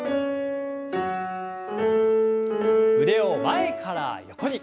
腕を前から横に。